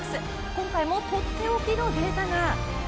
今回もとっておきのデータが。